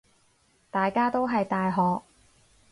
大家都係大學